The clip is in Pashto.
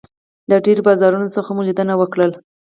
له ډېرو بازارونو څخه مو لیدنه وکړله.